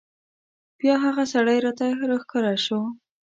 بیا هغه سړی راته راښکاره شو.